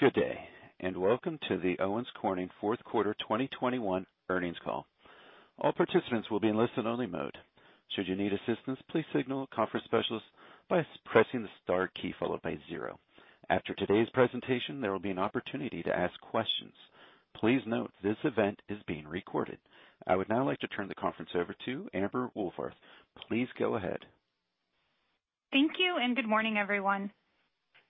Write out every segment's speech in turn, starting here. Good day, and welcome to the Owens Corning fourth quarter 2021 earnings call. All participants will be in listen-only mode. Should you need assistance, please signal a conference specialist by pressing the star key followed by zero. After today's presentation, there will be an opportunity to ask questions. Please note this event is being recorded. I would now like to turn the conference over to Amber Wohlfarth. Please go ahead. Thank you, and good morning, everyone.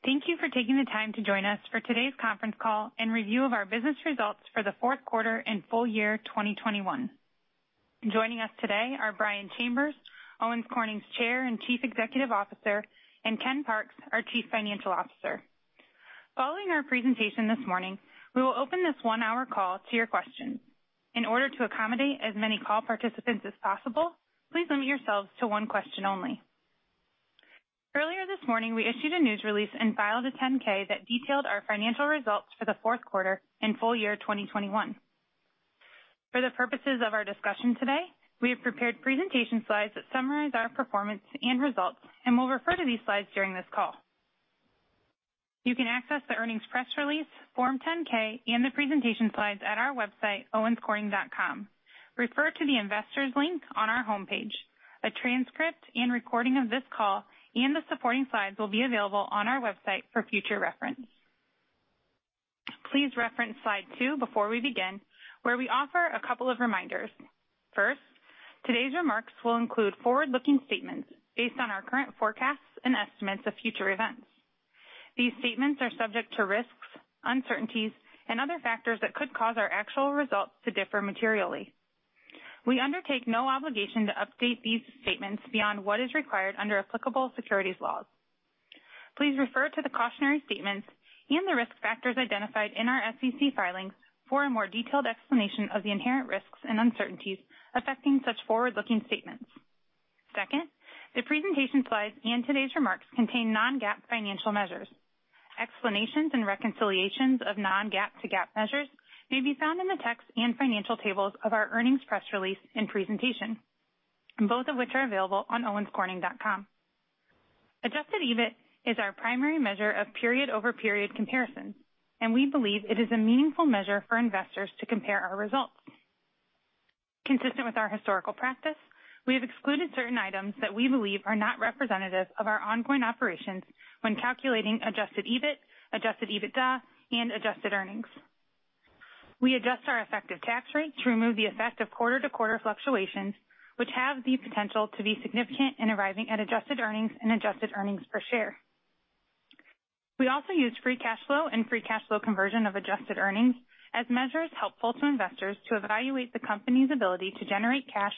Thank you for taking the time to join us for today's conference call and review of our business results for the fourth quarter and full year 2021. Joining us today are Brian Chambers, Owens Corning's Chair and Chief Executive Officer, and Kenneth Parks, our Chief Financial Officer. Following our presentation this morning, we will open this one-hour call to your questions. In order to accommodate as many call participants as possible, please limit yourselves to one question only. Earlier this morning, we issued a news release and filed a 10-K that detailed our financial results for the fourth quarter and full year 2021. For the purposes of our discussion today, we have prepared presentation slides that summarize our performance and results and will refer to these slides during this call. You can access the earnings press release, Form 10-K, and the presentation slides at our website, owenscorning.com. Refer to the investors link on our homepage. A transcript and recording of this call and the supporting slides will be available on our website for future reference. Please reference slide two before we begin, where we offer a couple of reminders. First, today's remarks will include forward-looking statements based on our current forecasts and estimates of future events. These statements are subject to risks, uncertainties, and other factors that could cause our actual results to differ materially. We undertake no obligation to update these statements beyond what is required under applicable securities laws. Please refer to the cautionary statements and the risk factors identified in our SEC filings for a more detailed explanation of the inherent risks and uncertainties affecting such forward-looking statements. Second, the presentation slides and today's remarks contain non-GAAP financial measures. Explanations and reconciliations of non-GAAP to GAAP measures may be found in the text and financial tables of our earnings press release and presentation, both of which are available on owenscorning.com. Adjusted EBIT is our primary measure of period-over-period comparison, and we believe it is a meaningful measure for investors to compare our results. Consistent with our historical practice, we have excluded certain items that we believe are not representative of our ongoing operations when calculating adjusted EBIT, adjusted EBITDA, and adjusted earnings. We adjust our effective tax rate to remove the effect of quarter-to-quarter fluctuations, which have the potential to be significant in arriving at adjusted earnings and adjusted earnings per share. We also use free cash flow and free cash flow conversion of adjusted earnings as measures helpful to investors to evaluate the company's ability to generate cash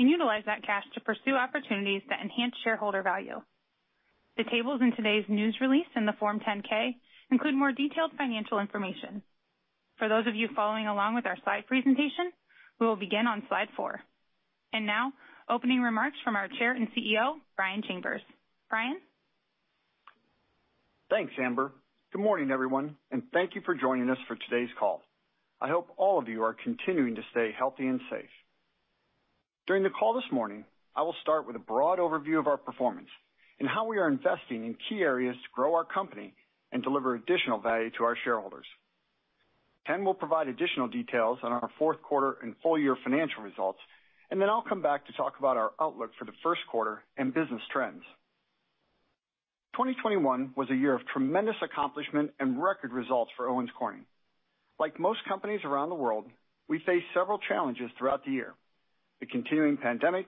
and utilize that cash to pursue opportunities that enhance shareholder value. The tables in today's news release and the form 10-K include more detailed financial information. For those of you following along with our slide presentation, we will begin on slide four. Now opening remarks from our Chair and CEO, Brian Chambers. Thanks, Amber. Good morning, everyone, and thank you for joining us for today's call. I hope all of you are continuing to stay healthy and safe. During the call this morning, I will start with a broad overview of our performance and how we are investing in key areas to grow our company and deliver additional value to our shareholders. Ken will provide additional details on our fourth quarter and full year financial results, and then I'll come back to talk about our outlook for the first quarter and business trends. 2021 was a year of tremendous accomplishment and record results for Owens Corning. Like most companies around the world, we faced several challenges throughout the year. The continuing pandemic,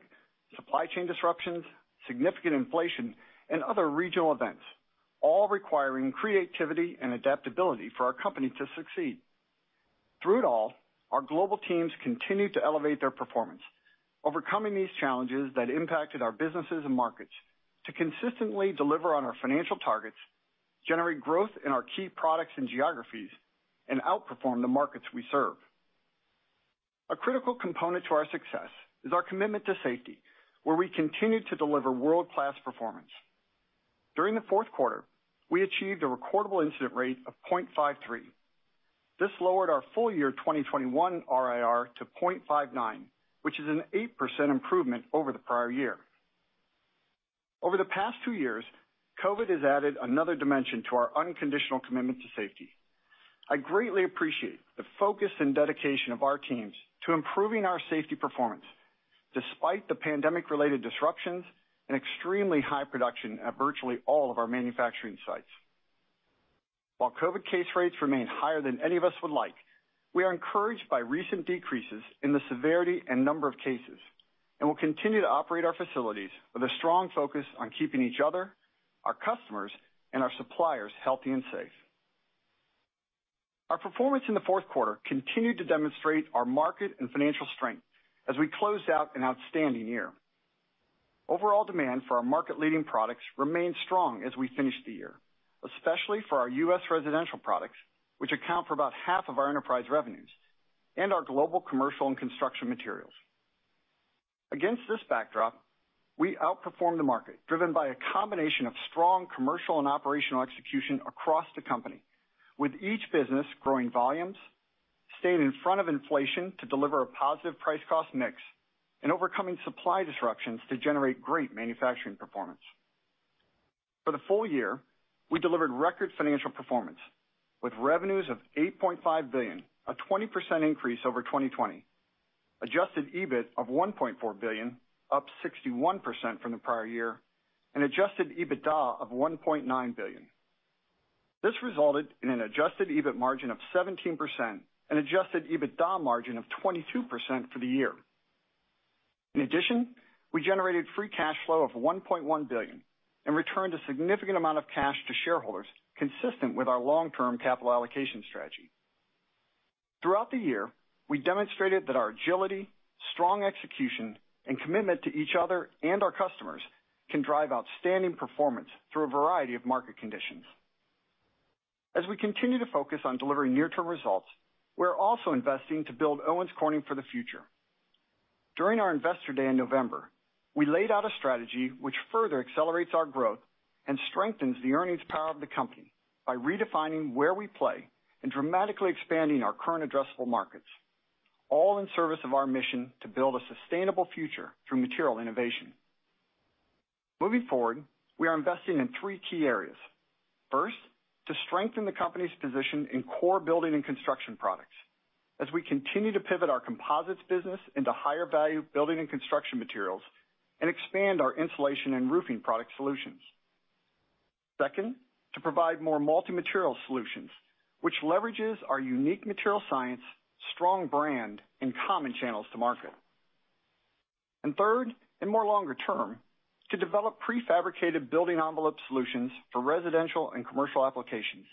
supply chain disruptions, significant inflation, and other regional events, all requiring creativity and adaptability for our company to succeed. Through it all, our global teams continued to elevate their performance, overcoming these challenges that impacted our businesses and markets to consistently deliver on our financial targets, generate growth in our key products and geographies, and outperform the markets we serve. A critical component to our success is our commitment to safety, where we continue to deliver world-class performance. During the fourth quarter, we achieved a recordable incident rate of 0.53. This lowered our full year 2021 RIR to 0.59, which is an 8% improvement over the prior year. Over the past two years, COVID has added another dimension to our unconditional commitment to safety. I greatly appreciate the focus and dedication of our teams to improving our safety performance despite the pandemic-related disruptions and extremely high production at virtually all of our manufacturing sites. While COVID case rates remain higher than any of us would like, we are encouraged by recent decreases in the severity and number of cases and will continue to operate our facilities with a strong focus on keeping each other, our customers, and our suppliers healthy and safe. Our performance in the fourth quarter continued to demonstrate our market and financial strength as we closed out an outstanding year. Overall demand for our market leading products remained strong as we finished the year, especially for our U.S. residential products, which account for about half of our enterprise revenues and our global commercial and construction materials. Against this backdrop, we outperformed the market, driven by a combination of strong commercial and operational execution across the company, with each business growing volumes, staying in front of inflation to deliver a positive price-cost mix, and overcoming supply disruptions to generate great manufacturing performance. For the full year, we delivered record financial performance, with revenues of $8.5 billion, a 20% increase over 2020. Adjusted EBIT of $1.4 billion, up 61% from the prior year, and adjusted EBITDA of $1.9 billion. This resulted in an adjusted EBIT margin of 17% and adjusted EBITDA margin of 22% for the year. In addition, we generated free cash flow of $1.1 billion and returned a significant amount of cash to shareholders, consistent with our long-term capital allocation strategy. Throughout the year, we demonstrated that our agility, strong execution, and commitment to each other and our customers can drive outstanding performance through a variety of market conditions. As we continue to focus on delivering near-term results, we're also investing to build Owens Corning for the future. During our Investor Day in November, we laid out a strategy which further accelerates our growth and strengthens the earnings power of the company by redefining where we play and dramatically expanding our current addressable markets, all in service of our mission to build a sustainable future through material innovation. Moving forward, we are investing in three key areas. First, to strengthen the company's position in core building and construction products as we continue to pivot our composites business into higher value building and construction materials and expand our insulation and roofing product solutions. Second, to provide more multi-material solutions, which leverages our unique material science, strong brand, and common channels to market. Third, and more longer term, to develop prefabricated building envelope solutions for residential and commercial applications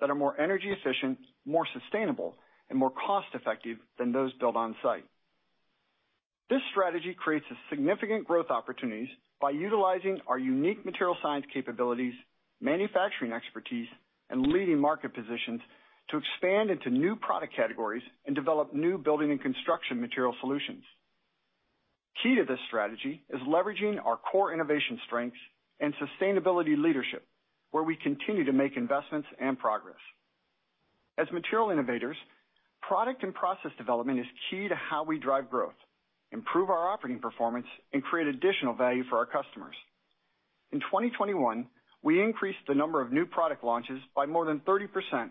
that are more energy efficient, more sustainable, and more cost-effective than those built on-site. This strategy creates significant growth opportunities by utilizing our unique material science capabilities, manufacturing expertise, and leading market positions to expand into new product categories and develop new building and construction material solutions. Key to this strategy is leveraging our core innovation strengths and sustainability leadership, where we continue to make investments and progress. As material innovators, product and process development is key to how we drive growth, improve our operating performance, and create additional value for our customers. In 2021, we increased the number of new product launches by more than 30%,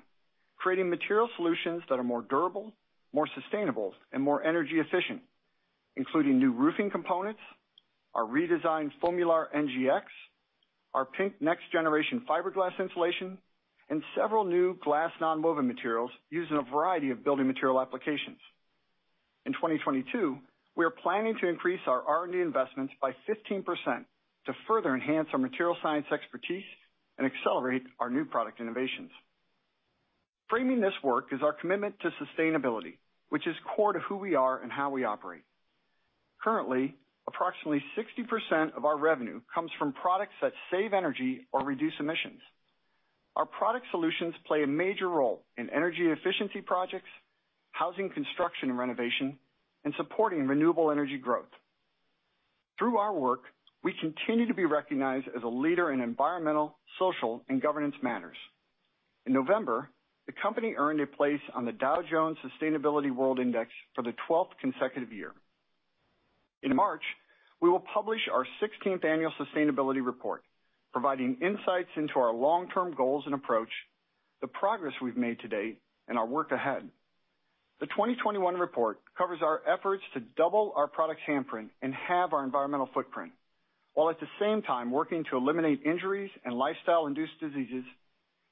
creating material solutions that are more durable, more sustainable, and more energy efficient, including new roofing components, our redesigned FOAMULAR NGX, our PINK Next Gen Fiberglas insulation, and several new glass nonwoven materials used in a variety of building material applications. In 2022, we are planning to increase our R&D investments by 15% to further enhance our material science expertise and accelerate our new product innovations. Framing this work is our commitment to sustainability, which is core to who we are and how we operate. Currently, approximately 60% of our revenue comes from products that save energy or reduce emissions. Our product solutions play a major role in energy efficiency projects, housing construction and renovation, and supporting renewable energy growth. Through our work, we continue to be recognized as a leader in environmental, social, and governance matters. In November, the company earned a place on the Dow Jones Sustainability World Index for the twelfth consecutive year. In March, we will publish our sixteenth annual sustainability report, providing insights into our long-term goals and approach, the progress we've made to date, and our work ahead. The 2021 report covers our efforts to double our products' handprint and halve our environmental footprint, while at the same time working to eliminate injuries and lifestyle-induced diseases,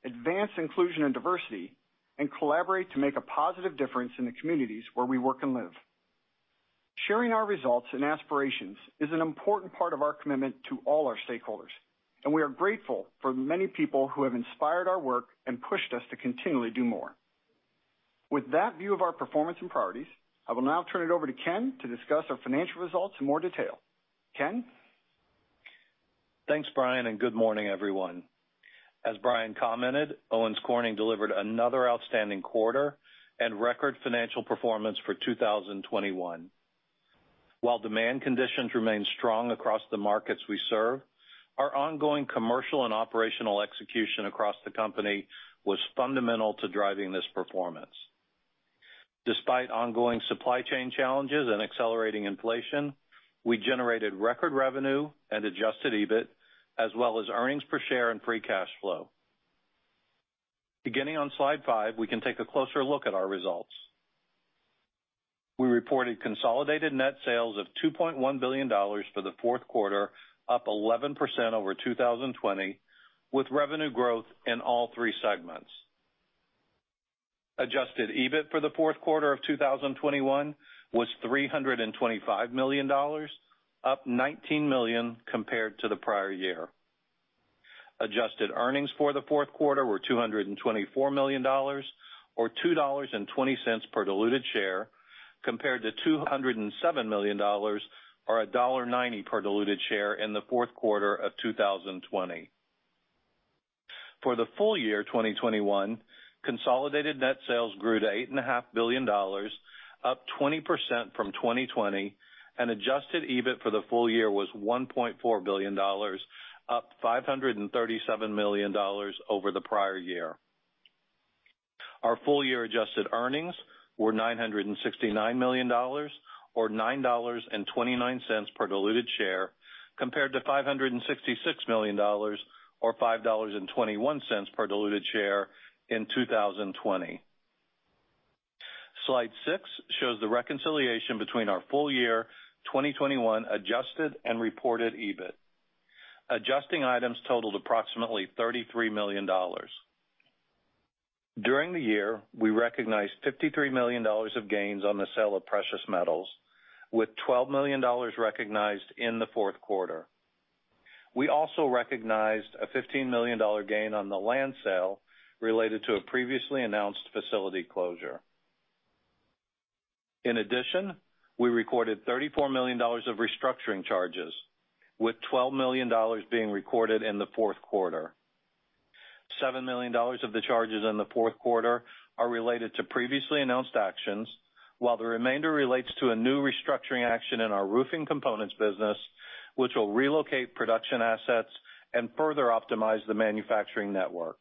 advance inclusion and diversity, and collaborate to make a positive difference in the communities where we work and live. Sharing our results and aspirations is an important part of our commitment to all our stakeholders, and we are grateful for many people who have inspired our work and pushed us to continually do more. With that view of our performance and priorities, I will now turn it over to Ken to discuss our financial results in more detail. Ken? Thanks, Brian, and good morning, everyone. As Brian commented, Owens Corning delivered another outstanding quarter and record financial performance for 2021. While demand conditions remain strong across the markets we serve, our ongoing commercial and operational execution across the company was fundamental to driving this performance. Despite ongoing supply chain challenges and accelerating inflation, we generated record revenue and adjusted EBIT, as well as earnings per share and free cash flow. Beginning on slide five, we can take a closer look at our results. We reported consolidated net sales of $2.1 billion for the fourth quarter, up 11% over 2020, with revenue growth in all three segments. Adjusted EBIT for the fourth quarter of 2021 was $325 million, up $19 million compared to the prior year. Adjusted earnings for the fourth quarter were $224 million or $2.20 per diluted share compared to $207 million or $1.90 per diluted share in the fourth quarter of 2020. For the full year 2021, consolidated net sales grew to $8.5 billion, up 20% from 2020, and adjusted EBIT for the full year was $1.4 billion, up $537 million over the prior year. Our full year adjusted earnings were $969 million or $9.29 per diluted share, compared to $566 million or $5.21 per diluted share in 2020. Slide six shows the reconciliation between our full year 2021 adjusted and reported EBIT. Adjusting items totaled approximately $33 million. During the year, we recognized $53 million of gains on the sale of precious metals, with $12 million recognized in the fourth quarter. We also recognized a $15 million gain on the land sale related to a previously announced facility closure. In addition, we recorded $34 million of restructuring charges, with $12 million being recorded in the fourth quarter. $7 million of the charges in the fourth quarter are related to previously announced actions, while the remainder relates to a new restructuring action in our roofing components business, which will relocate production assets and further optimize the manufacturing network.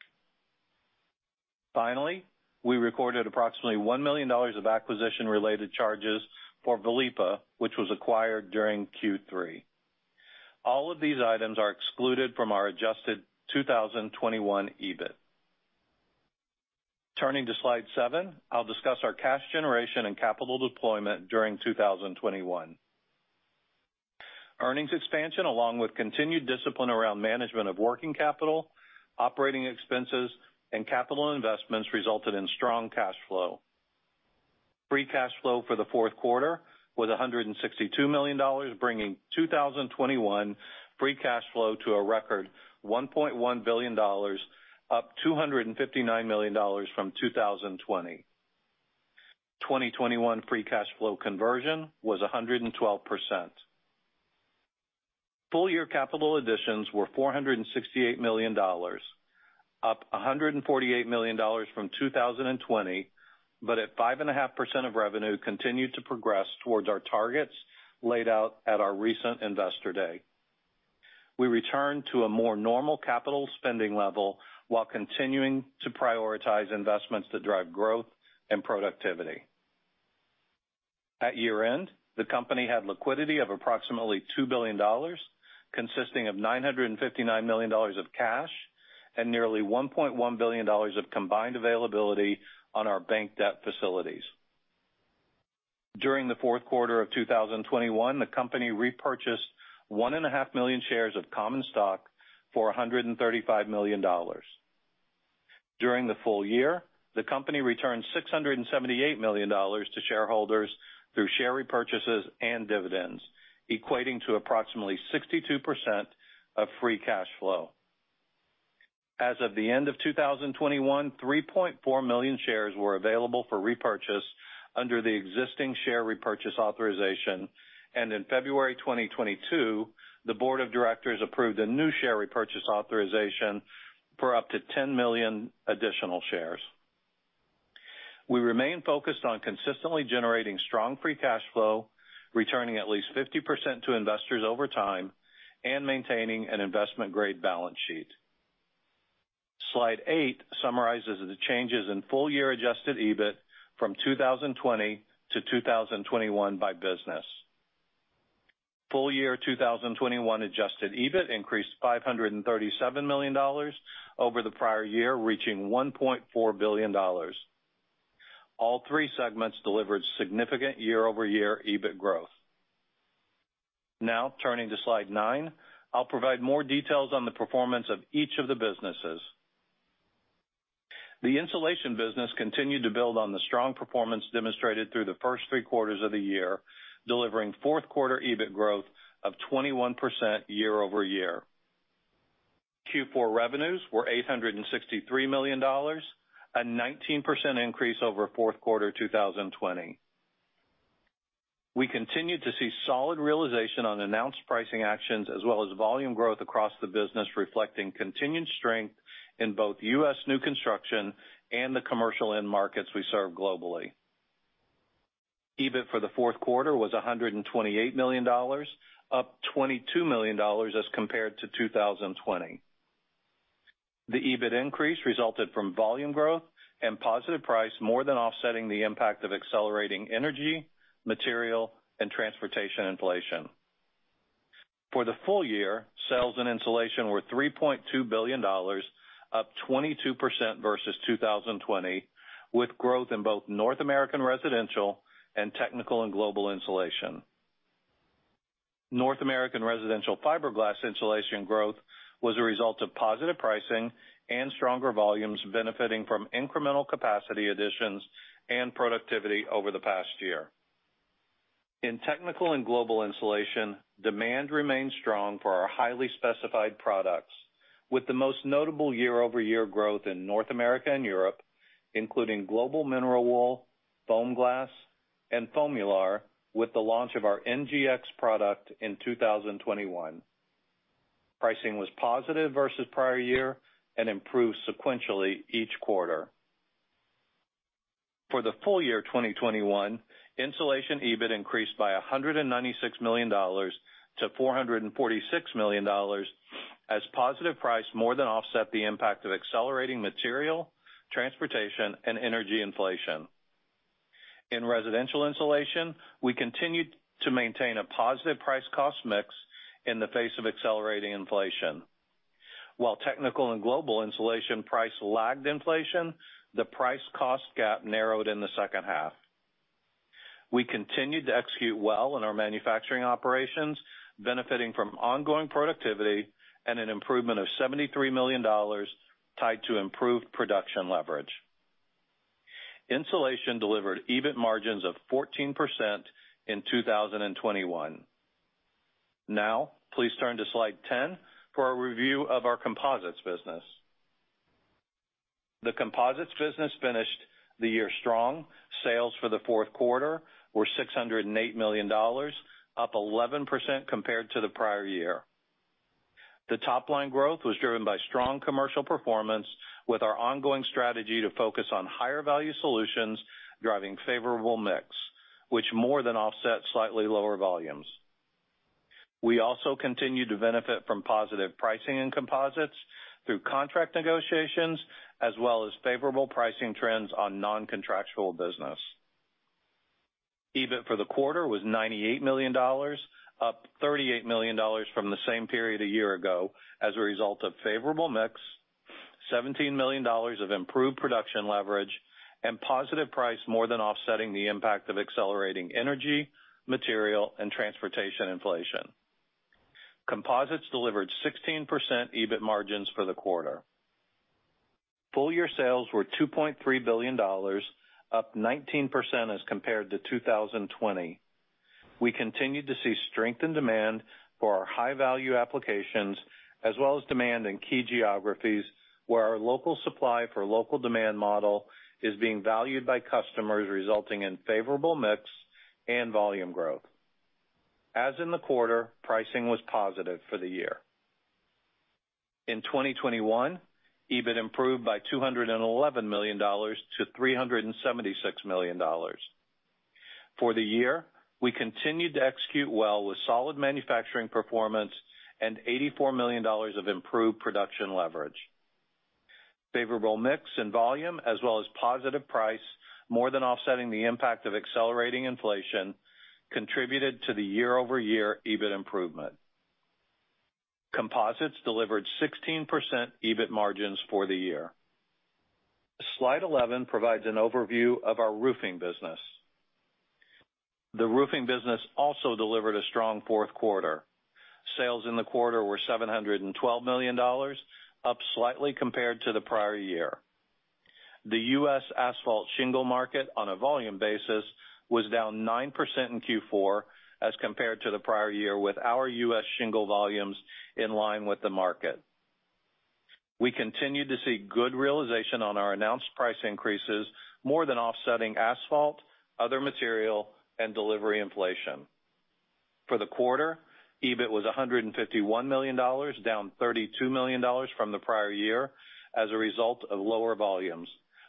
Finally, we recorded approximately $1 million of acquisition-related charges for Vliepa, which was acquired during Q3. All of these items are excluded from our adjusted 2021 EBIT. Turning to slide seven, I'll discuss our cash generation and capital deployment during 2021. Earnings expansion, along with continued discipline around management of working capital, operating expenses, and capital investments, resulted in strong cash flow. Free cash flow for the fourth quarter was $162 million, bringing 2021 free cash flow to a record $1.1 billion, up $259 million from 2020. 2021 free cash flow conversion was 112%. Full year capital additions were $468 million, up $148 million from 2020, but at 5.5% of revenue continued to progress towards our targets laid out at our recent Investor Day. We returned to a more normal capital spending level while continuing to prioritize investments to drive growth and productivity. At year-end, the company had liquidity of approximately $2 billion, consisting of $959 million of cash and nearly $1.1 billion of combined availability on our bank debt facilities. During the fourth quarter of 2021, the company repurchased 1.5 million shares of common stock for $135 million. During the full year, the company returned $678 million to shareholders through share repurchases and dividends, equating to approximately 62% of free cash flow. As of the end of 2021, 3.4 million shares were available for repurchase under the existing share repurchase authorization, and in February 2022, the board of directors approved a new share repurchase authorization for up to 10 million additional shares. We remain focused on consistently generating strong free cash flow, returning at least 50% to investors over time, and maintaining an investment-grade balance sheet. Slide eight summarizes the changes in full year Adjusted EBIT from 2020 to 2021 by business. Full year 2021 Adjusted EBIT increased $537 million over the prior year, reaching $1.4 billion. All three segments delivered significant year-over-year EBIT growth. Now, turning to slide nine, I'll provide more details on the performance of each of the businesses. The insulation business continued to build on the strong performance demonstrated through the first three quarters of the year, delivering fourth quarter EBIT growth of 21% year-over-year. Q4 revenues were $863 million, a 19% increase over fourth quarter 2020. We continued to see solid realization on announced pricing actions as well as volume growth across the business, reflecting continued strength in both U.S. new construction and the commercial end markets we serve globally. EBIT for the fourth quarter was $128 million, up $22 million as compared to 2020. The EBIT increase resulted from volume growth and positive price more than offsetting the impact of accelerating energy, material, and transportation inflation. For the full year, sales in insulation were $3.2 billion, up 22% versus 2020, with growth in both North American residential and technical and global insulation. North American residential fiberglass insulation growth was a result of positive pricing and stronger volumes benefiting from incremental capacity additions and productivity over the past year. In technical and global insulation, demand remained strong for our highly specified products, with the most notable year-over-year growth in North America and Europe, including global mineral wool, FOAMGLAS, and FOAMULAR, with the launch of our NGX product in 2021. Pricing was positive versus prior year and improved sequentially each quarter. For the full year 2021, insulation EBIT increased by $196 million to $446 million as positive price more than offset the impact of accelerating material, transportation, and energy inflation. In residential insulation, we continued to maintain a positive price cost mix in the face of accelerating inflation. While technical and global insulation price lagged inflation, the price cost gap narrowed in the second half. We continued to execute well in our manufacturing operations, benefiting from ongoing productivity and an improvement of $73 million tied to improved production leverage. Insulation delivered EBIT margins of 14% in 2021. Now, please turn to slide 10 for a review of our composites business. The composites business finished the year strong. Sales for the fourth quarter were $608 million, up 11% compared to the prior year. The top line growth was driven by strong commercial performance with our ongoing strategy to focus on higher value solutions, driving favorable mix, which more than offset slightly lower volumes. We also continued to benefit from positive pricing and composites through contract negotiations, as well as favorable pricing trends on non-contractual business. EBIT for the quarter was $98 million, up $38 million from the same period a year ago as a result of favorable mix, $17 million of improved production leverage, and positive price more than offsetting the impact of accelerating energy, material, and transportation inflation. Composites delivered 16% EBIT margins for the quarter. Full year sales were $2.3 billion, up 19% as compared to 2020. We continued to see strength and demand for our high-value applications, as well as demand in key geographies where our local supply for local demand model is being valued by customers, resulting in favorable mix and volume growth. As in the quarter, pricing was positive for the year. In 2021, EBIT improved by $211 million to $376 million. For the year, we continued to execute well with solid manufacturing performance and $84 million of improved production leverage. Favorable mix and volume as well as positive price, more than offsetting the impact of accelerating inflation contributed to the year-over-year EBIT improvement. Composites delivered 16% EBIT margins for the year. Slide 11 provides an overview of our roofing business. The roofing business also delivered a strong fourth quarter. Sales in the quarter were $712 million, up slightly compared to the prior year. The U.S. asphalt shingle market on a volume basis was down 9% in Q4 as compared to the prior year with our U.S. shingle volumes in line with the market. We continued to see good realization on our announced price increases, more than offsetting asphalt, other material, and delivery inflation. For the quarter, EBIT was $151 million, down $32 million from the prior year as a result of lower volumes,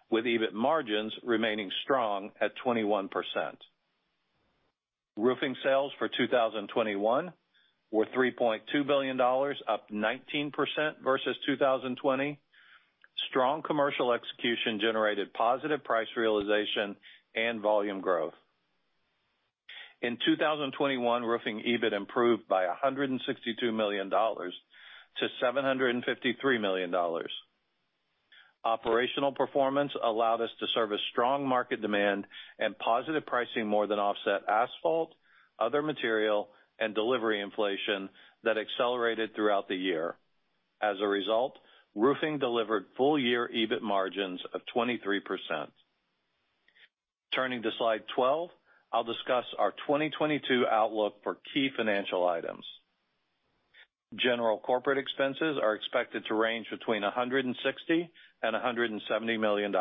with EBIT margins remaining strong at 21%. Roofing sales for 2021 were $3.2 billion, up 19% versus 2020. Strong commercial execution generated positive price realization and volume growth. In 2021, Roofing EBIT improved by $162 million to $753 million. Operational performance allowed us to serve a strong market demand, and positive pricing more than offset asphalt, other material, and delivery inflation that accelerated throughout the year. As a result, Roofing delivered full-year EBIT margins of 23%. Turning to slide 12, I'll discuss our 2022 outlook for key financial items. General corporate expenses are expected to range between $160 million and $170 million.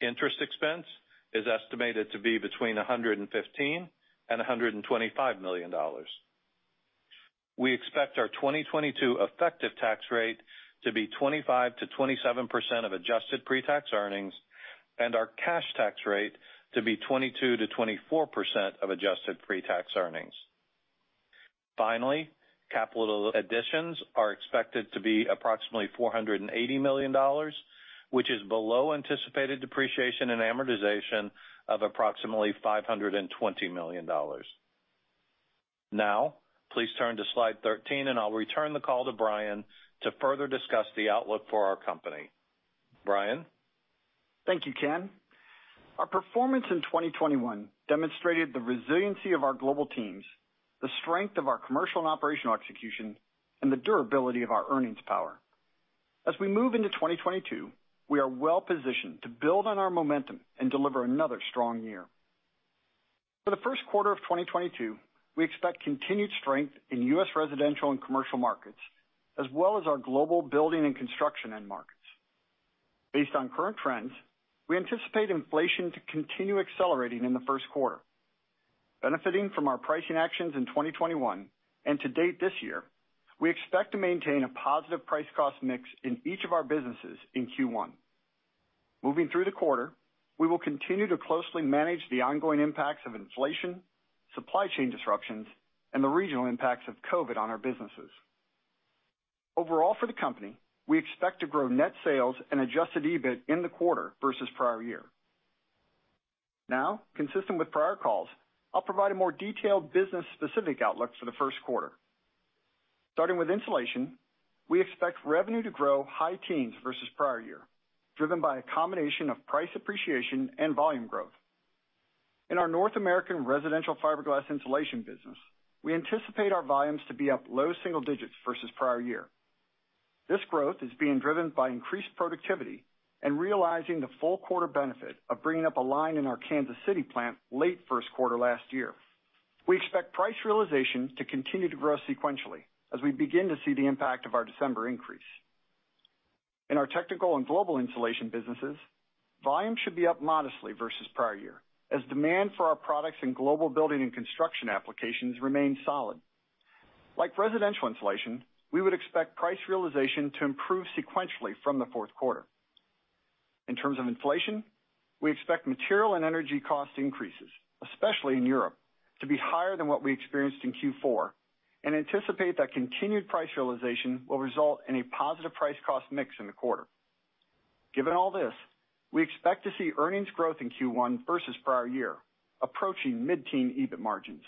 Interest expense is estimated to be between $115 million and $125 million. We expect our 2022 effective tax rate to be 25%-27% of adjusted pre-tax earnings and our cash tax rate to be 22%-24% of adjusted pre-tax earnings. Finally, capital additions are expected to be approximately $480 million, which is below anticipated depreciation and amortization of approximately $520 million. Now, please turn to slide 13, and I'll return the call to Brian to further discuss the outlook for our company. Brian. Thank you, Ken. Our performance in 2021 demonstrated the resiliency of our global teams, the strength of our commercial and operational execution, and the durability of our earnings power. As we move into 2022, we are well-positioned to build on our momentum and deliver another strong year. For the first quarter of 2022, we expect continued strength in U.S. residential and commercial markets, as well as our global building and construction end markets. Based on current trends, we anticipate inflation to continue accelerating in the first quarter. Benefiting from our pricing actions in 2021 and to date this year, we expect to maintain a positive price cost mix in each of our businesses in Q1. Moving through the quarter, we will continue to closely manage the ongoing impacts of inflation, supply chain disruptions, and the regional impacts of COVID on our businesses. Overall, for the company, we expect to grow net sales and Adjusted EBIT in the quarter versus prior year. Now, consistent with prior calls, I'll provide a more detailed business specific outlook for the first quarter. Starting with insulation, we expect revenue to grow high teens versus prior year, driven by a combination of price appreciation and volume growth. In our North American residential fiberglass insulation business, we anticipate our volumes to be up low single digits versus prior year. This growth is being driven by increased productivity and realizing the full quarter benefit of bringing up a line in our Kansas City plant late first quarter last year. We expect price realization to continue to grow sequentially as we begin to see the impact of our December increase. In our technical and global insulation businesses, volume should be up modestly versus prior year, as demand for our products in global building and construction applications remains solid. Like residential insulation, we would expect price realization to improve sequentially from the fourth quarter. In terms of inflation, we expect material and energy cost increases, especially in Europe, to be higher than what we experienced in Q4, and anticipate that continued price realization will result in a positive price cost mix in the quarter. Given all this, we expect to see earnings growth in Q1 versus prior year, approaching mid-teen EBIT margins.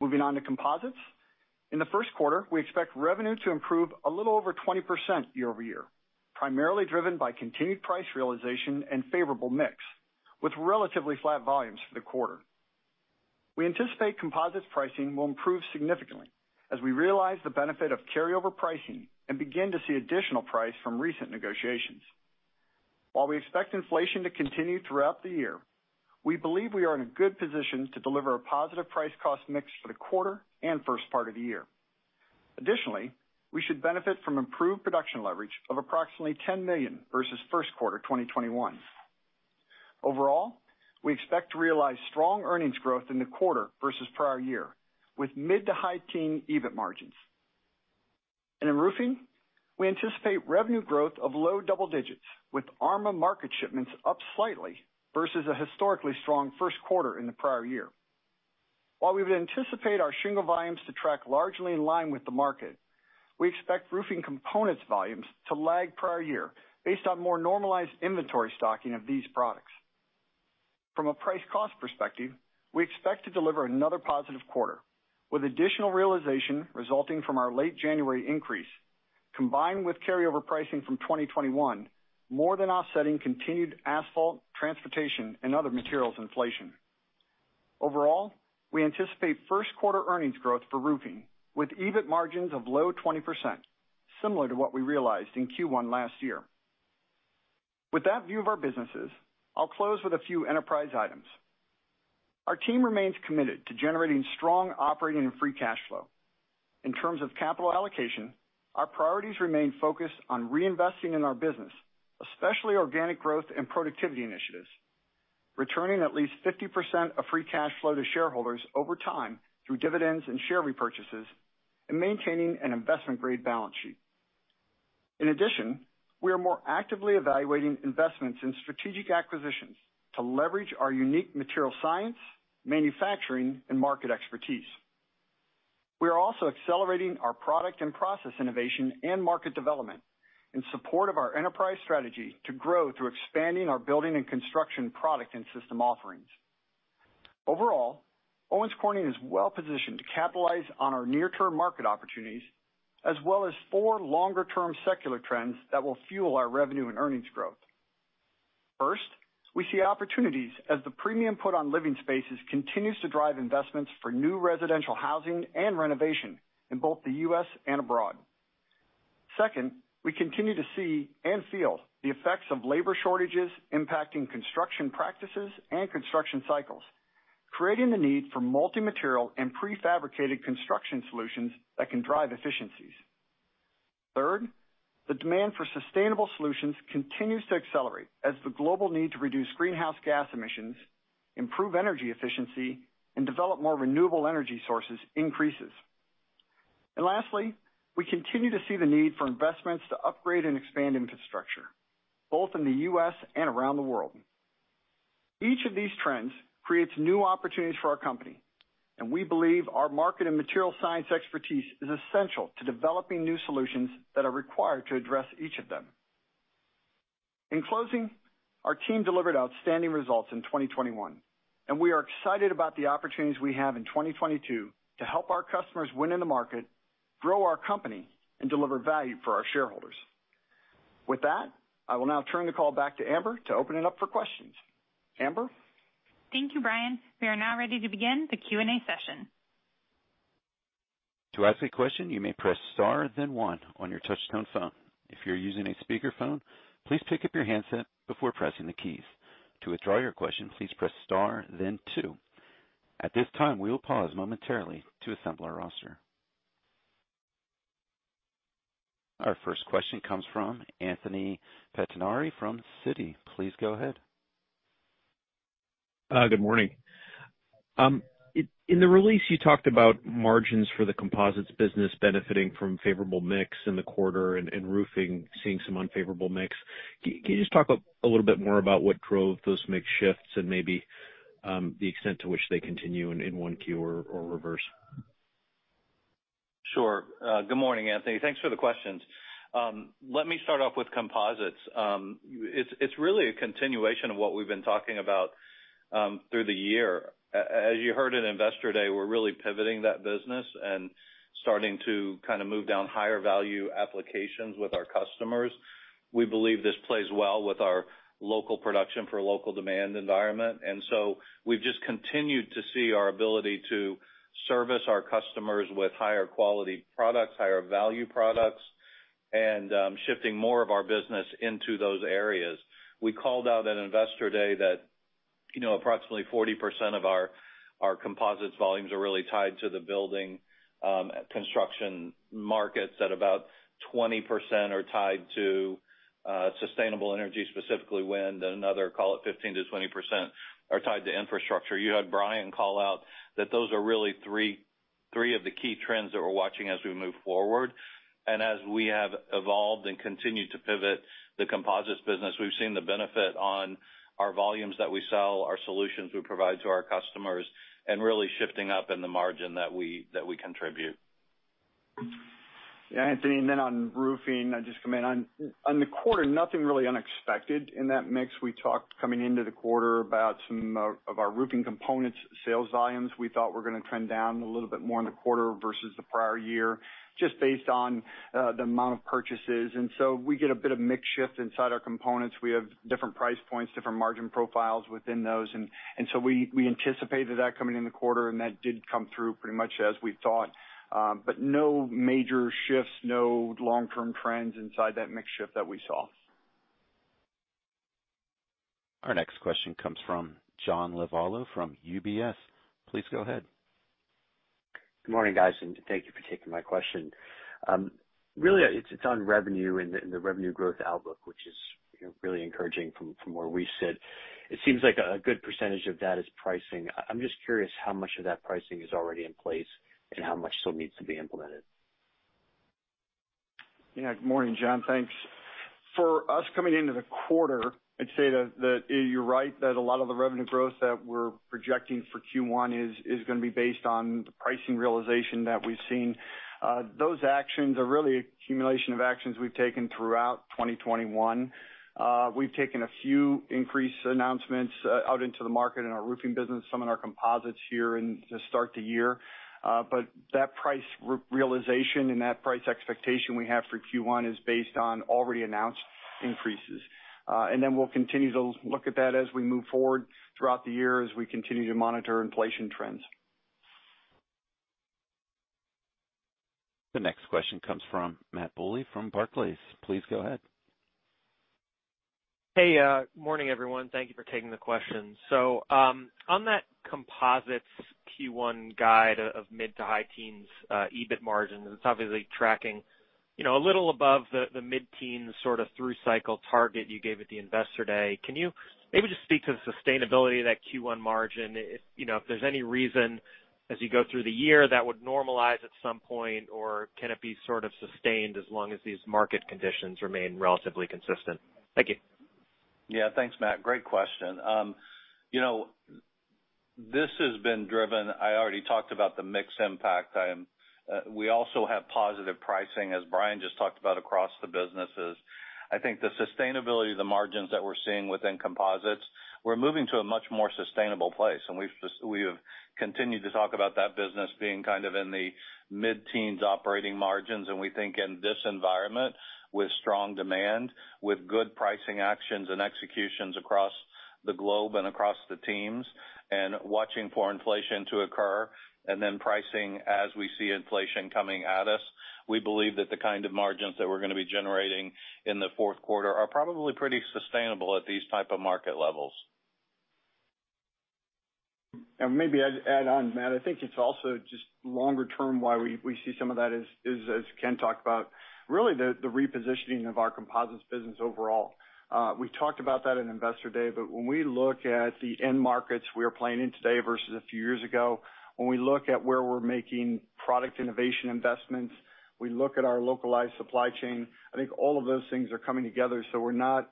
Moving on to composites. In the first quarter, we expect revenue to improve a little over 20% year-over-year, primarily driven by continued price realization and favorable mix, with relatively flat volumes for the quarter. We anticipate composites pricing will improve significantly as we realize the benefit of carryover pricing and begin to see additional price from recent negotiations. While we expect inflation to continue throughout the year, we believe we are in a good position to deliver a positive price cost mix for the quarter and first part of the year. Additionally, we should benefit from improved production leverage of approximately $10 million versus first quarter 2021. Overall, we expect to realize strong earnings growth in the quarter versus prior year, with mid- to high-teens EBIT margins. In roofing, we anticipate revenue growth of low double digits with ARMA market shipments up slightly versus a historically strong first quarter in the prior year. While we would anticipate our shingle volumes to track largely in line with the market, we expect roofing components volumes to lag prior year based on more normalized inventory stocking of these products. From a price cost perspective, we expect to deliver another positive quarter, with additional realization resulting from our late January increase, combined with carryover pricing from 2021, more than offsetting continued asphalt, transportation, and other materials inflation. Overall, we anticipate first quarter earnings growth for roofing with EBIT margins of low 20%, similar to what we realized in Q1 last year. With that view of our businesses, I'll close with a few enterprise items. Our team remains committed to generating strong operating and free cash flow. In terms of capital allocation, our priorities remain focused on reinvesting in our business, especially organic growth and productivity initiatives, returning at least 50% of free cash flow to shareholders over time through dividends and share repurchases, and maintaining an investment-grade balance sheet. In addition, we are more actively evaluating investments in strategic acquisitions to leverage our unique material science, manufacturing, and market expertise. We are also accelerating our product and process innovation and market development in support of our enterprise strategy to grow through expanding our building and construction product and system offerings. Overall, Owens Corning is well-positioned to capitalize on our near-term market opportunities, as well as four longer-term secular trends that will fuel our revenue and earnings growth. First, we see opportunities as the premium put on living spaces continues to drive investments for new residential housing and renovation in both the U.S. and abroad. Second, we continue to see and feel the effects of labor shortages impacting construction practices and construction cycles, creating the need for multi-material and prefabricated construction solutions that can drive efficiencies. Third, the demand for sustainable solutions continues to accelerate as the global need to reduce greenhouse gas emissions, improve energy efficiency, and develop more renewable energy sources increases. Lastly, we continue to see the need for investments to upgrade and expand infrastructure, both in the U.S. and around the world. Each of these trends creates new opportunities for our company, and we believe our market and material science expertise is essential to developing new solutions that are required to address each of them. In closing, our team delivered outstanding results in 2021, and we are excited about the opportunities we have in 2022 to help our customers win in the market, grow our company, and deliver value for our shareholders. With that, I will now turn the call back to Amber to open it up for questions. Amber? Thank you, Brian. We are now ready to begin the Q&A session. To ask a question, you may press star, then one on your touchtone phone. If you're using a speakerphone, please pick up your handset before pressing the keys. To withdraw your question, please press star then two. At this time, we will pause momentarily to assemble our roster Our first question comes from Anthony Pettinari from Citi. Please go ahead. Good morning. In the release you talked about margins for the composites business benefiting from favorable mix in the quarter and roofing seeing some unfavorable mix. Can you just talk a little bit more about what drove those mix shifts and maybe the extent to which they continue in 1Q or reverse? Sure. Good morning, Anthony. Thanks for the questions. Let me start off with composites. It's really a continuation of what we've been talking about through the year. As you heard in Investor Day, we're really pivoting that business and starting to kind of move down higher value applications with our customers. We believe this plays well with our local production for local demand environment. We've just continued to see our ability to service our customers with higher quality products, higher value products, and shifting more of our business into those areas. We called out at Investor Day that, you know, approximately 40% of our composites volumes are really tied to the building construction markets, that about 20% are tied to sustainable energy, specifically wind, another, call it 15%-20% are tied to infrastructure. You had Brian call out that those are really three of the key trends that we're watching as we move forward. As we have evolved and continued to pivot the Composites business, we've seen the benefit on our volumes that we sell, our solutions we provide to our customers, and really shifting up in the margin that we contribute. Yeah, Anthony. Then on roofing, I just come in. On the quarter, nothing really unexpected in that mix. We talked coming into the quarter about some of our roofing components sales volumes we thought were gonna trend down a little bit more in the quarter versus the prior year, just based on the amount of purchases. We get a bit of mix shift inside our components. We have different price points, different margin profiles within those. We anticipated that coming in the quarter, and that did come through pretty much as we thought. No major shifts, no long-term trends inside that mix shift that we saw. Our next question comes from John Lovallo from UBS. Please go ahead. Good morning, guys, and thank you for taking my question. Really it's on revenue and the revenue growth outlook, which is, you know, really encouraging from where we sit. It seems like a good percentage of that is pricing. I'm just curious how much of that pricing is already in place and how much still needs to be implemented. Yeah. Good morning, John. Thanks. For us coming into the quarter, I'd say that you're right, that a lot of the revenue growth that we're projecting for Q1 is gonna be based on the pricing realization that we've seen. Those actions are really accumulation of actions we've taken throughout 2021. We've taken a few increase announcements out into the market in our roofing business, some in our composites here at the start of the year. But that price realization and that price expectation we have for Q1 is based on already announced increases. We'll continue to look at that as we move forward throughout the year, as we continue to monitor inflation trends. The next question comes from Matthew Bouley from Barclays. Please go ahead. Hey, morning, everyone. Thank you for taking the questions. On that composites Q1 guide of mid- to high-teens EBIT margins, it's obviously tracking, you know, a little above the mid-teen sort of through-cycle target you gave at the Investor Day. Can you maybe just speak to the sustainability of that Q1 margin? If, you know, if there's any reason as you go through the year that would normalize at some point, or can it be sort of sustained as long as these market conditions remain relatively consistent? Thank you. Yeah. Thanks, Matt. Great question. You know, this has been driven. I already talked about the mix impact. We also have positive pricing, as Brian just talked about, across the businesses. I think the sustainability of the margins that we're seeing within Composites, we're moving to a much more sustainable place, and we have continued to talk about that business being kind of in the mid-teens operating margins. We think in this environment, with strong demand, with good pricing actions and executions across the globe and across the teams, and watching for inflation to occur, and then pricing as we see inflation coming at us, we believe that the kind of margins that we're gonna be generating in the fourth quarter are probably pretty sustainable at these type of market levels. Maybe I'd add on, Matt, I think it's also just longer term why we see some of that is as Ken talked about, really the repositioning of our composites business overall. We talked about that in Investor Day, but when we look at the end markets we are playing in today versus a few years ago, when we look at where we're making product innovation investments, we look at our localized supply chain, I think all of those things are coming together, so we're not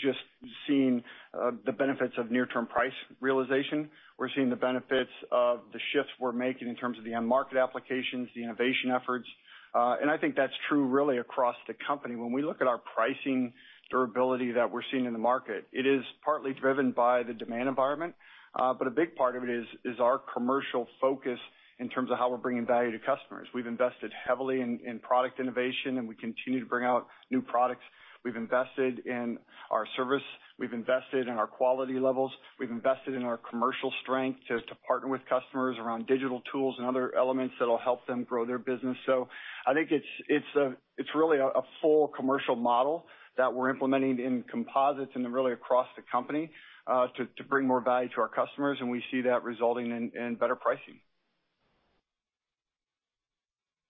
just seeing the benefits of near-term price realization. We're seeing the benefits of the shifts we're making in terms of the end market applications, the innovation efforts. I think that's true really across the company. When we look at our pricing durability that we're seeing in the market, it is partly driven by the demand environment, but a big part of it is our commercial focus in terms of how we're bringing value to customers. We've invested heavily in product innovation, and we continue to bring out new products. We've invested in our service. We've invested in our quality levels. We've invested in our commercial strength to partner with customers around digital tools and other elements that'll help them grow their business. I think it's really a full commercial model that we're implementing in composites and then really across the company, to bring more value to our customers, and we see that resulting in better pricing.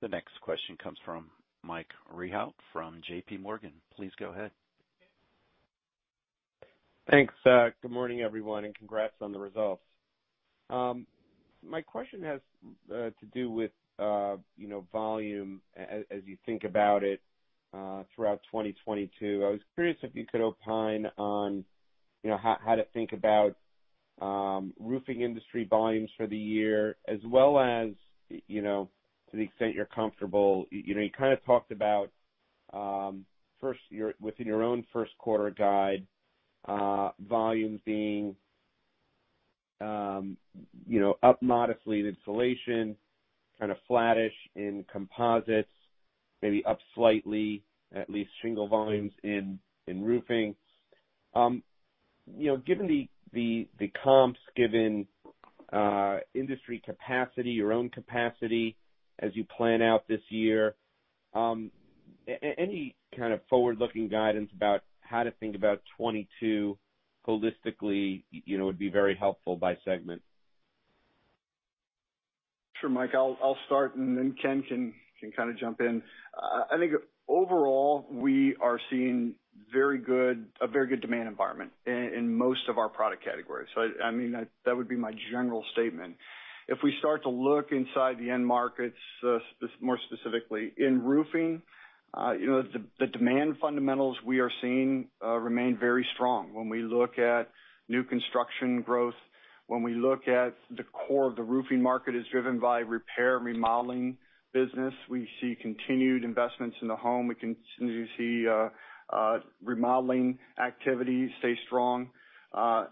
The next question comes from Mike Rehaut from JPMorgan. Please go ahead. Thanks. Good morning, everyone, and congrats on the results. My question has to do with, you know, volume as you think about it throughout 2022. I was curious if you could opine on, you know, how to think about roofing industry volumes for the year as well as, you know, to the extent you're comfortable. You know, you kind of talked about within your own first quarter guide, volumes being, you know, up modestly in insulation, kind of flattish in composites, maybe up slightly, at least shingle volumes in roofing. You know, given the comps, given industry capacity, your own capacity as you plan out this year, any kind of forward-looking guidance about how to think about 2022 holistically would be very helpful by segment. Sure, Mike, I'll start and then Ken can kind of jump in. I think overall, we are seeing a very good demand environment in most of our product categories. I mean, that would be my general statement. If we start to look inside the end markets, more specifically, in roofing, you know, the demand fundamentals we are seeing remain very strong. When we look at new construction growth, when we look at the core of the roofing market is driven by repair and remodeling business, we see continued investments in the home. We continue to see remodeling activity stay strong. I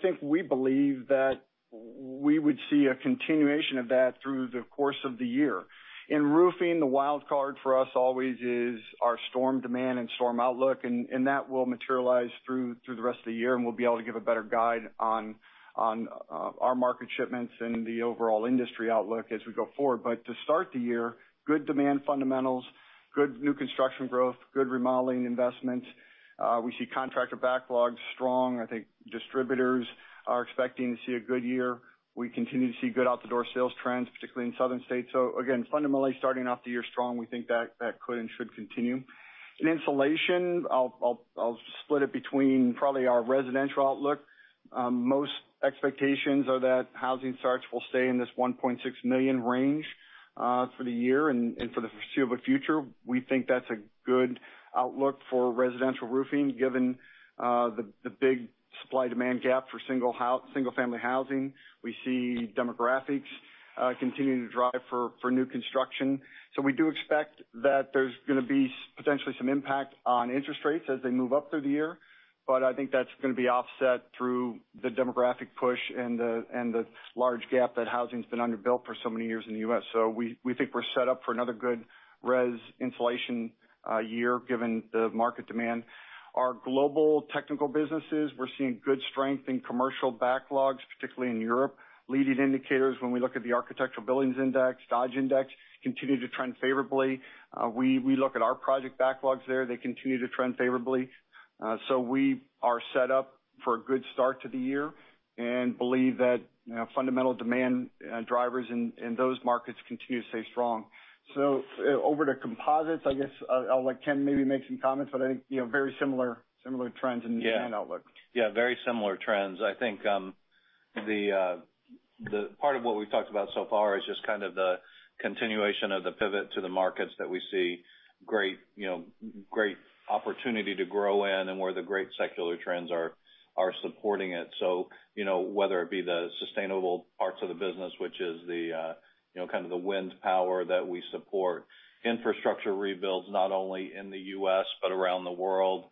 think we believe that we would see a continuation of that through the course of the year. In roofing, the wild card for us always is our storm demand and storm outlook, and that will materialize through the rest of the year, and we'll be able to give a better guide on our market shipments and the overall industry outlook as we go forward. To start the year, good demand fundamentals, good new construction growth, good remodeling investments. We see contractor backlogs strong. I think distributors are expecting to see a good year. We continue to see good out the door sales trends, particularly in southern states. Again, fundamentally starting off the year strong, we think that could and should continue. In insulation, I'll split it between probably our residential outlook. Most expectations are that housing starts will stay in this $1.6 million range for the year and for the foreseeable future. We think that's a good outlook for residential roofing, given the big supply-demand gap for single-family housing. We see demographics continuing to drive for new construction. We do expect that there's gonna be potentially some impact on interest rates as they move up through the year. I think that's gonna be offset through the demographic push and the large gap that housing's been underbuilt for so many years in the U.S. We think we're set up for another good residential insulation year given the market demand. Our global technical businesses, we're seeing good strength in commercial backlogs, particularly in Europe. Leading indicators, when we look at the Architectural Billings Index, Dodge Index, continue to trend favorably. We look at our project backlogs there, they continue to trend favorably. We are set up for a good start to the year and believe that, you know, fundamental demand drivers in those markets continue to stay strong. Over to Composites, I guess I'll let Ken maybe make some comments, but I think, you know, very similar trends in the demand outlook. Yeah. Very similar trends. I think, the part of what we've talked about so far is just kind of the continuation of the pivot to the markets that we see great, you know, great opportunity to grow in and where the great secular trends are supporting it. You know, whether it be the sustainable parts of the business, which is the, you know, kind of the wind power that we support, infrastructure rebuilds not only in the U.S., but around the world,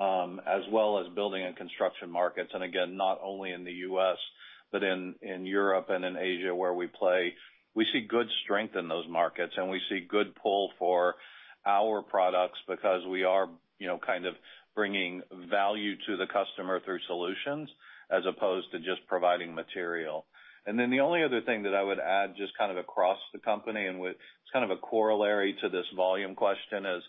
as well as building and construction markets, and again, not only in the U.S., but in Europe and in Asia, where we play. We see good strength in those markets, and we see good pull for our products because we are, you know, kind of bringing value to the customer through solutions as opposed to just providing material. The only other thing that I would add just kind of across the company and with kind of a corollary to this volume question is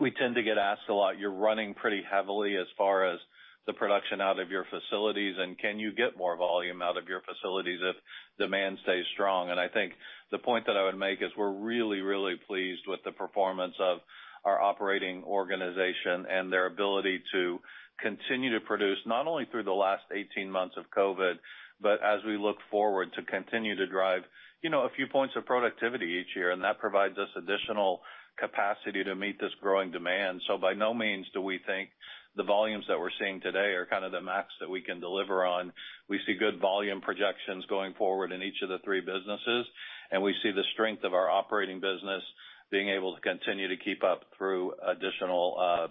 we tend to get asked a lot, "You're running pretty heavily as far as the production out of your facilities, and can you get more volume out of your facilities if demand stays strong?" I think the point that I would make is we're really, really pleased with the performance of our operating organization and their ability to continue to produce not only through the last 18 months of COVID, but as we look forward to continue to drive, you know, a few points of productivity each year, and that provides us additional capacity to meet this growing demand. By no means do we think the volumes that we're seeing today are kind of the max that we can deliver on. We see good volume projections going forward in each of the three businesses, and we see the strength of our operating business being able to continue to keep up through additional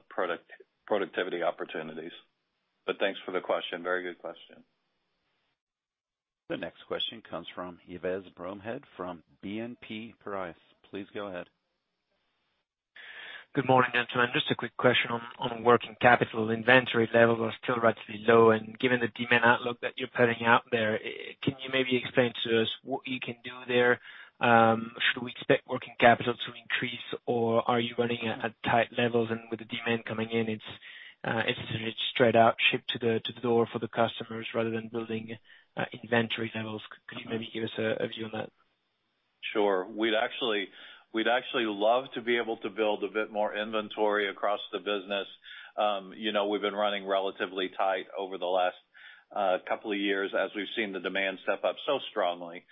productivity opportunities. Thanks for the question. Very good question. The next question comes from Yves Bromehead from BNP Paribas. Please go ahead. Good morning, gentlemen. Just a quick question on working capital. Inventory levels are still relatively low, and given the demand outlook that you're putting out there, can you maybe explain to us what you can do there? Should we expect working capital to increase, or are you running at tight levels and with the demand coming in, it's straight out shipped to the door for the customers rather than building inventory levels? Could you maybe give us a view on that? Sure. We'd actually love to be able to build a bit more inventory across the business. You know, we've been running relatively tight over the last couple of years as we've seen the demand step up so strongly.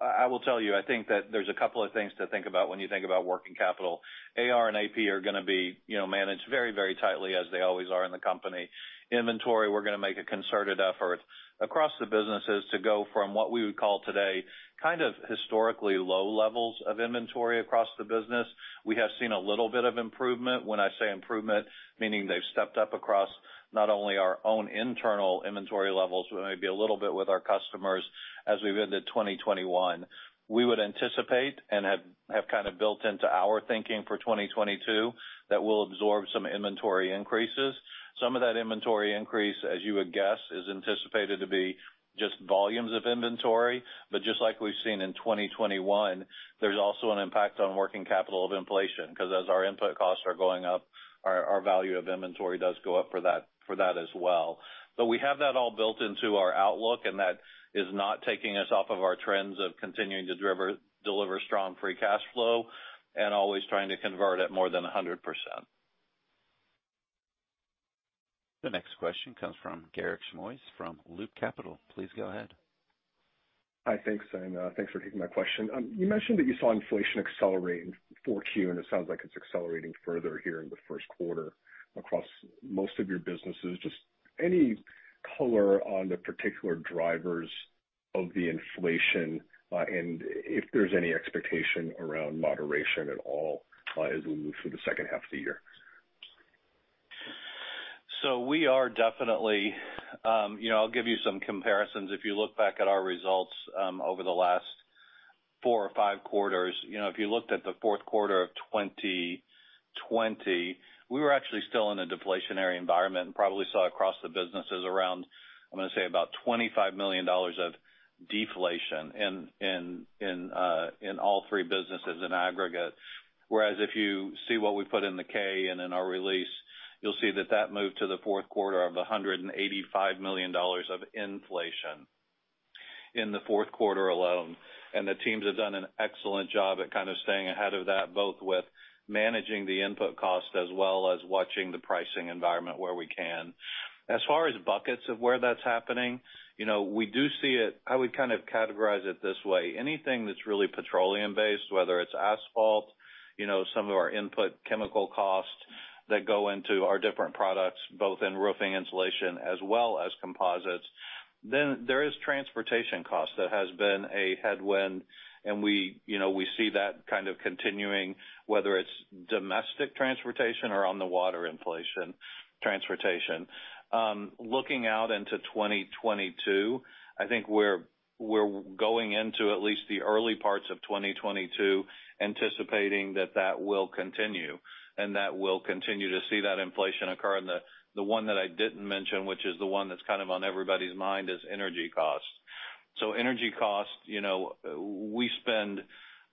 I will tell you, I think that there's a couple of things to think about when you think about working capital. AR and AP are gonna be, you know, managed very, very tightly as they always are in the company. Inventory, we're gonna make a concerted effort across the businesses to go from what we would call today kind of historically low levels of inventory across the business. We have seen a little bit of improvement. When I say improvement, meaning they've stepped up across not only our own internal inventory levels, but maybe a little bit with our customers as we've ended 2021. We would anticipate and have kind of built into our thinking for 2022, that we'll absorb some inventory increases. Some of that inventory increase, as you would guess, is anticipated to be just volumes of inventory. Just like we've seen in 2021, there's also an impact on working capital of inflation, 'cause as our input costs are going up, our value of inventory does go up for that as well. We have that all built into our outlook, and that is not taking us off of our trends of continuing to deliver strong free cash flow and always trying to convert at more than 100%. The next question comes from Garik Shmois from Loop Capital. Please go ahead. Hi. Thanks, and thanks for taking my question. You mentioned that you saw inflation accelerate in 4Q, and it sounds like it's accelerating further here in the first quarter across most of your businesses. Just any color on the particular drivers of the inflation, and if there's any expectation around moderation at all, as we move through the second half of the year. We are definitely. You know, I'll give you some comparisons. If you look back at our results over the last four or five quarters, you know, if you looked at the fourth quarter of 2020, we were actually still in a deflationary environment and probably saw across the businesses around, I'm gonna say about $25 million of deflation in all three businesses in aggregate. Whereas if you see what we put in the 10-K and in our release, you'll see that that moved to the fourth quarter of $185 million of inflation in the fourth quarter alone. The teams have done an excellent job at kind of staying ahead of that, both with managing the input cost as well as watching the pricing environment where we can. As far as buckets of where that's happening, you know, we do see it, I would kind of categorize it this way. Anything that's really petroleum-based, whether it's asphalt, you know, some of our input chemical costs that go into our different products, both in roofing insulation as well as composites. Then there is transportation costs. That has been a headwind, and we, you know, we see that kind of continuing, whether it's domestic transportation or on the water inflation transportation. Looking out into 2022, I think we're going into at least the early parts of 2022 anticipating that that will continue and that we'll continue to see that inflation occur. The one that I didn't mention, which is the one that's kind of on everybody's mind, is energy costs. Energy costs, you know, we spend,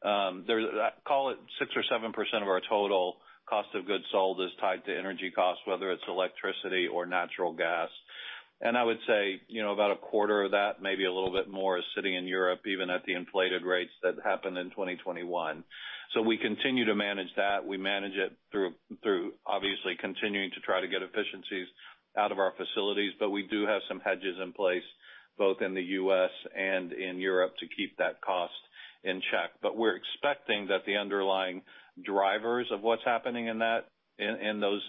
call it 6% or 7% of our total cost of goods sold is tied to energy costs, whether it's electricity or natural gas. I would say, you know, about a quarter of that, maybe a little bit more, is sitting in Europe, even at the inflated rates that happened in 2021. We continue to manage that. We manage it through obviously continuing to try to get efficiencies out of our facilities, but we do have some hedges in place both in the U.S. and in Europe to keep that cost in check. We're expecting that the underlying drivers of what's happening in that, in those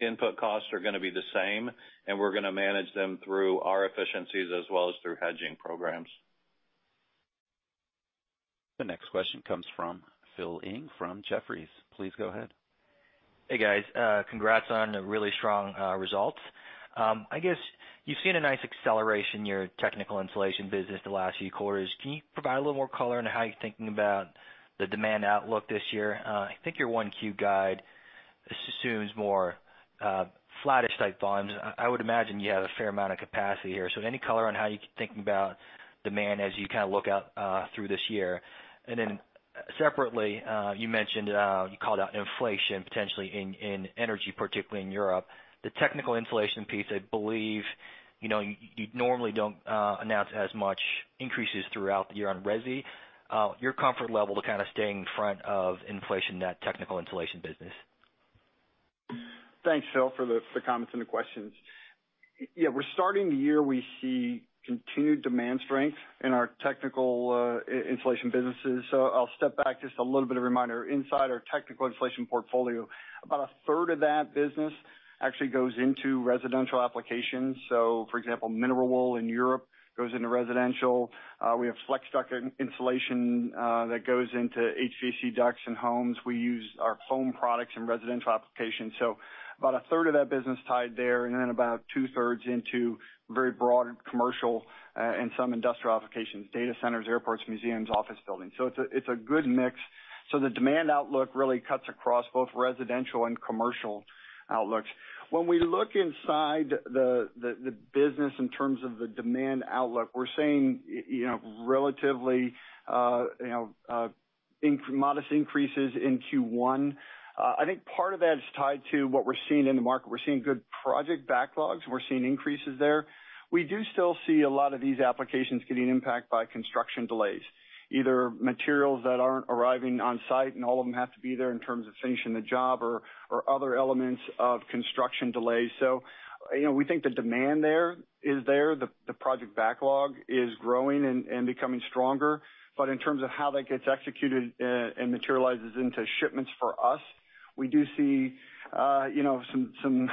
input costs are gonna be the same, and we're gonna manage them through our efficiencies as well as through hedging programs. The next question comes from Philip Ng from Jefferies. Please go ahead. Hey, guys. Congrats on the really strong results. I guess you've seen a nice acceleration in your technical insulation business the last few quarters. Can you provide a little more color on how you're thinking about the demand outlook this year? I think your 1Q guide assumes more flattish type volumes. I would imagine you have a fair amount of capacity here. Any color on how you keep thinking about demand as you kind of look out through this year. Separately, you mentioned you called out inflation potentially in energy, particularly in Europe. The technical insulation piece, I believe, you know, you normally don't announce as much increases throughout the year on resi. Your comfort level to kinda staying in front of inflation in that technical insulation business. Thanks, Phil, for the comments and the questions. Yeah, we're starting the year, we see continued demand strength in our technical insulation businesses. I'll step back just a little bit of a reminder. Inside our technical insulation portfolio, about a third of that business actually goes into residential applications. For example, mineral wool in Europe goes into residential. We have Flex Duct insulation that goes into HVAC ducts in homes. We use our home products in residential applications. About a third of that business tied there, and then about two-thirds into very broad commercial and some industrial applications: data centers, airports, museums, office buildings. It's a good mix. The demand outlook really cuts across both residential and commercial outlooks. When we look inside the business in terms of the demand outlook, we're seeing you know, relatively modest increases in Q1. I think part of that is tied to what we're seeing in the market. We're seeing good project backlogs. We're seeing increases there. We do still see a lot of these applications getting impacted by construction delays, either materials that aren't arriving on site, and all of them have to be there in terms of finishing the job or other elements of construction delays. You know, we think the demand there is there. The project backlog is growing and becoming stronger. In terms of how that gets executed and materializes into shipments for us, we do see you know, some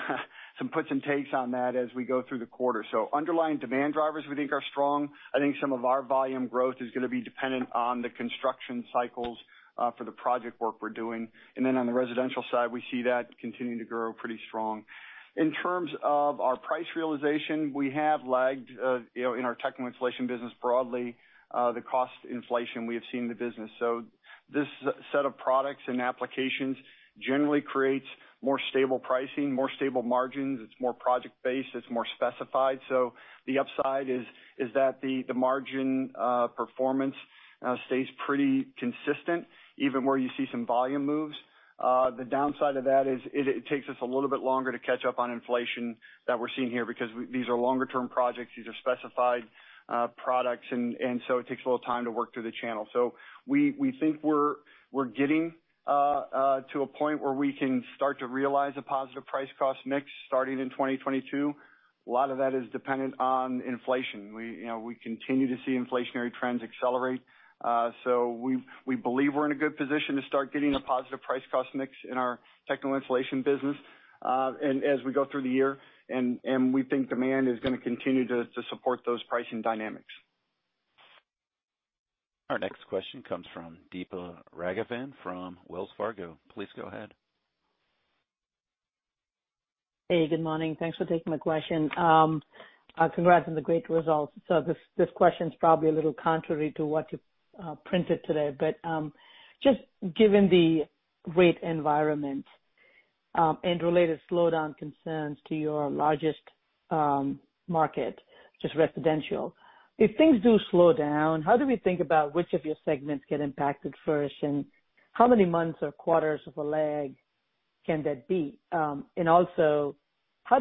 puts and takes on that as we go through the quarter. Underlying demand drivers we think are strong. I think some of our volume growth is gonna be dependent on the construction cycles for the project work we're doing. On the residential side, we see that continuing to grow pretty strong. In terms of our price realization, we have lagged you know, in our technical insulation business broadly the cost inflation we have seen in the business. So this set of products and applications generally creates more stable pricing, more stable margins. It's more project-based, it's more specified. The upside is that the margin performance stays pretty consistent even where you see some volume moves. The downside of that is it takes us a little bit longer to catch up on inflation that we're seeing here because these are longer term projects. These are specified products and so it takes a little time to work through the channel. We think we're getting to a point where we can start to realize a positive price cost mix starting in 2022. A lot of that is dependent on inflation. We, you know, we continue to see inflationary trends accelerate. We believe we're in a good position to start getting a positive price cost mix in our technical insulation business and as we go through the year. We think demand is gonna continue to support those pricing dynamics. Our next question comes from Deepa Raghavan from Wells Fargo. Please go ahead. Hey, good morning. Thanks for taking my question. Congrats on the great results. This question is probably a little contrary to what you printed today, but just given the rate environment and related slowdown concerns to your largest market, just residential, if things do slow down, how do we think about which of your segments get impacted first, and how many months or quarters of a lag can that be? Also, how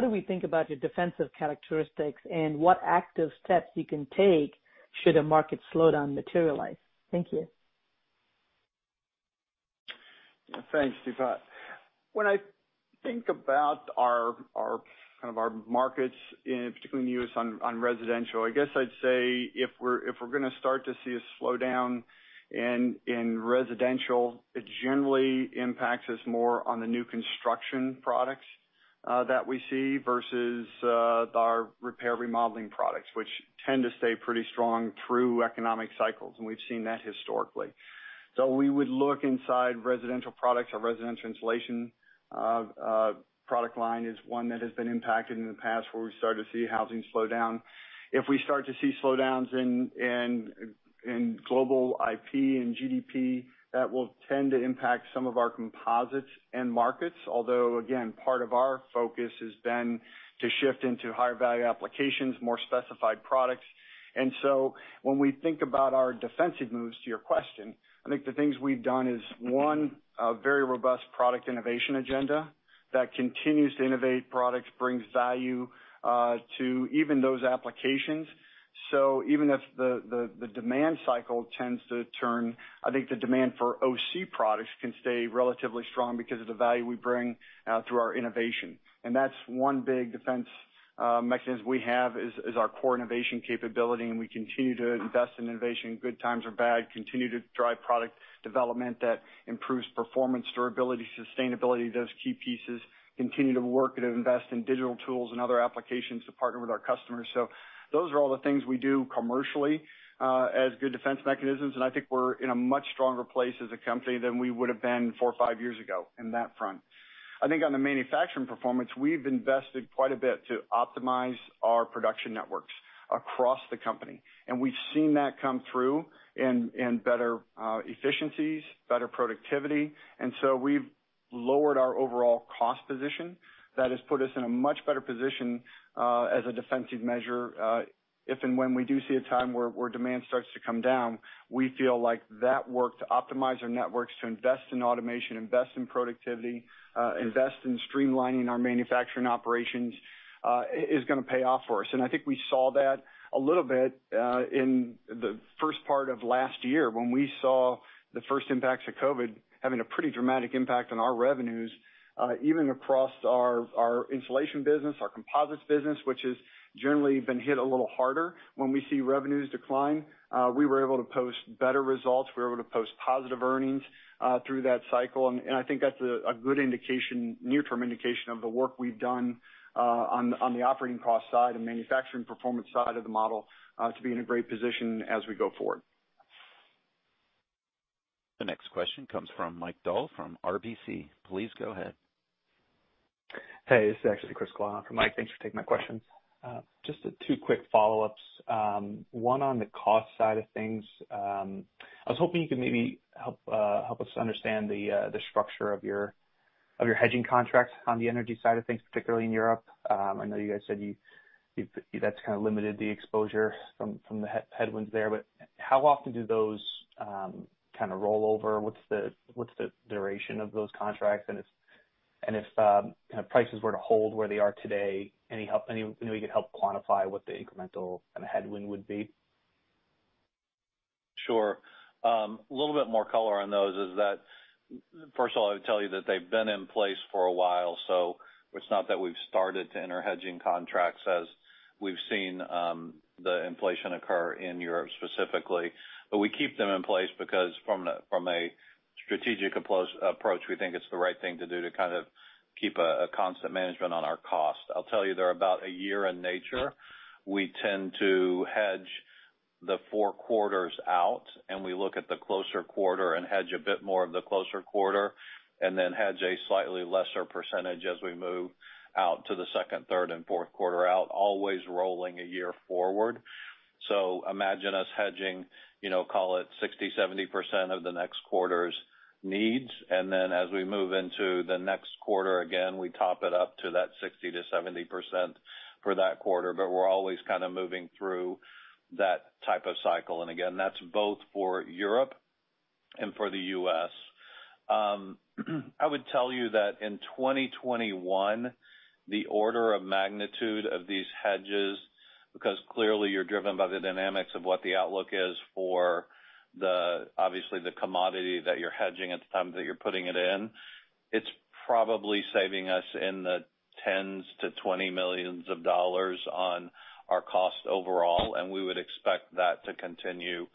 do we think about your defensive characteristics and what active steps you can take should a market slowdown materialize? Thank you. Yeah. Thanks, Deepa. When I think about our markets particularly in the U.S. on residential, I guess I'd say if we're gonna start to see a slowdown in residential, it generally impacts us more on the new construction products that we see versus our repair remodeling products, which tend to stay pretty strong through economic cycles, and we've seen that historically. We would look inside residential products. Our residential insulation product line is one that has been impacted in the past where we started to see housing slow down. If we start to see slowdowns in global IP and GDP, that will tend to impact some of our composites end markets, although again, part of our focus has been to shift into higher value applications, more specified products. When we think about our defensive moves to your question, I think the things we've done is, one, a very robust product innovation agenda that continues to innovate products, brings value to even those applications. Even if the demand cycle tends to turn, I think the demand for OC products can stay relatively strong because of the value we bring through our innovation. That's one big defense mechanism we have is our core innovation capability, and we continue to invest in innovation. Good times or bad, continue to drive product development that improves performance, durability, sustainability, those key pieces. Continue to work and invest in digital tools and other applications to partner with our customers. Those are all the things we do commercially as good defense mechanisms, and I think we're in a much stronger place as a company than we would have been four or five years ago in that front. I think on the manufacturing performance, we've invested quite a bit to optimize our production networks across the company, and we've seen that come through in better efficiencies, better productivity. We've lowered our overall cost position. That has put us in a much better position as a defensive measure if and when we do see a time where demand starts to come down. We feel like that work to optimize our networks, to invest in automation, invest in productivity, invest in streamlining our manufacturing operations is gonna pay off for us. I think we saw that a little bit in the first part of last year when we saw the first impacts of COVID having a pretty dramatic impact on our revenues even across our insulation business, our composites business, which has generally been hit a little harder when we see revenues decline. We were able to post better results. We were able to post positive earnings through that cycle. I think that's a good indication, near-term indication of the work we've done on the operating cost side and manufacturing performance side of the model to be in a great position as we go forward. The next question comes from Mike Dahl from RBC. Please go ahead. Hey, this is actually Chris for Mike. Thanks for taking my questions. Just two quick follow-ups. One on the cost side of things. I was hoping you could maybe help us understand the structure of your hedging contracts on the energy side of things, particularly in Europe. I know you guys said that's kind of limited the exposure from the headwinds there, but how often do those kind of roll over? What's the duration of those contracts? And if kind of prices were to hold where they are today, any help you know you could help quantify what the incremental kind of headwind would be? Sure. A little bit more color on those is that, first of all, I would tell you that they've been in place for a while, so it's not that we've started to enter hedging contracts as we've seen the inflation occur in Europe specifically. We keep them in place because from a strategic approach, we think it's the right thing to do to kind of keep a constant management on our cost. I'll tell you, they're about a year in nature. We tend to hedge the four quarters out, and we look at the closer quarter and hedge a bit more of the closer quarter, and then hedge a slightly lesser percentage as we move out to the second, third, and fourth quarter out, always rolling a year forward. Imagine us hedging, you know, call it 60%-70% of the next quarter's needs, and then as we move into the next quarter, again, we top it up to that 60%-70% for that quarter. We're always kinda moving through that type of cycle. Again, that's both for Europe and for the U.S. I would tell you that in 2021, the order of magnitude of these hedges, because clearly you're driven by the dynamics of what the outlook is for the, obviously, the commodity that you're hedging at the time that you're putting it in, it's probably saving us $10 million-$20 million on our cost overall, and we would expect that to continue,